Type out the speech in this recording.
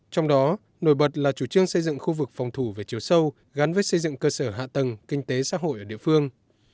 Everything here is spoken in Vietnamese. trong đó nổi bật là chủ trương xây dựng khu vực phòng thủ về chiều sâu gắn với xây dựng cơ sở hạ tầng kinh tế xã hội ở địa phương